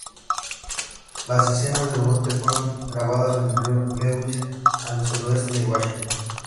Las escenas del bote fueron grabadas en el río Lewis, al suroeste de Washington.